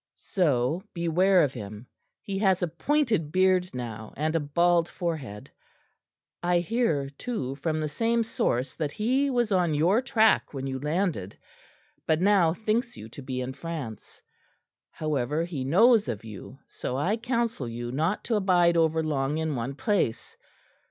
So beware of him; he has a pointed beard now, and a bald forehead. I hear, too, from the same source that he was on your track when you landed, but now thinks you to be in France. However, he knows of you; so I counsel you not to abide over long in one place.